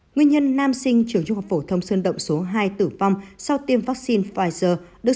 nguyên nhân nam sinh trường trung học phổ thông sơn động số hai tử vong sau tiêm vaccine pfizer